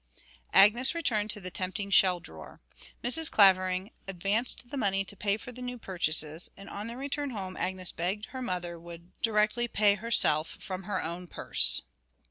Agnes returned to the tempting shell drawer. Mrs. Clavering advanced the money to pay for the new purchases, and on their return home Agnes begged her mother would directly pay herself from her own purse.